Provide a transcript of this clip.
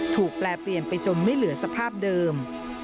แปลเปลี่ยนไปจนไม่เหลือสภาพเดิม